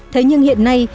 thế nhưng hiện nay